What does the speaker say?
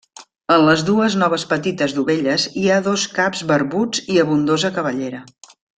En les dues noves petites dovelles hi ha dos caps barbuts i abundosa cabellera.